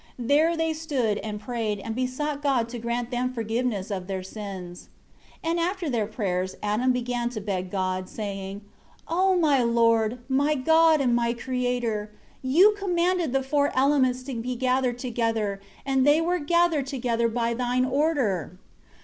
3 There they stood and prayed and besought God to grant them forgiveness of their sins. 4 And after their prayers Adam began to beg God, saying, "O my Lord, my God, and my Creator, You commanded the four elements* to be gathered together, and they were gathered together by Thine order.